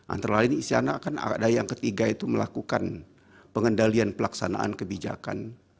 antara lain isyana kan ada yang ketiga itu melakukan pengendalian pelaksanaan kebijakan